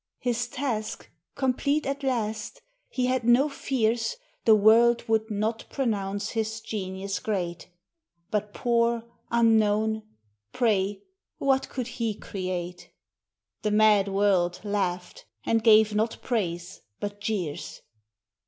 His task complete at last, he had no fears The world would not pronounce his genius great, But poor, unknown — pray, what could he create? The mad world laughed, and gave not praise, but jeers.